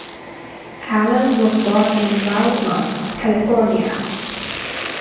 Allen was born in Wildomar, California.